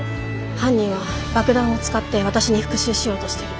犯人は爆弾を使って私に復讐しようとしてる。